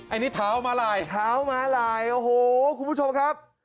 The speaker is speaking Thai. อันนี้เท้ามาลายเท้าม้าลายโอ้โหคุณผู้ชมครับ